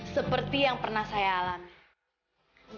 seperti yang pernah saya alami